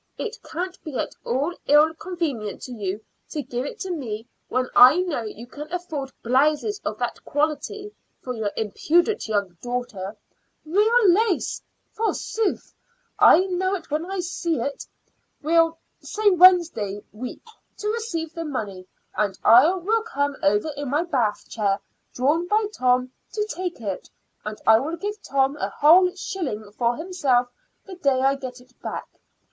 It can't be at all ill convenient to you to give it to me when you can afford blouses of that quality for your impudent young daughter. Real lace, forsooth! I know it when I see it. We'll say Wednesday week to receive the money, and I will come over in my bath chair, drawn by Tom, to take it; and I will give Tom a whole shilling for himself the day I get it back.